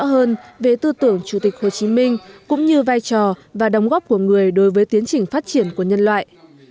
các tham luận tiếp tục nêu rõ hơn về tư tưởng chủ tịch hồ chí minh cũng như vai trò và đóng góp của người đối với tiến trình phát triển của nhân loại